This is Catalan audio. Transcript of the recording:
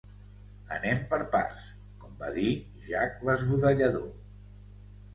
Anem per parts, com va dir Jack l'Esbudellador.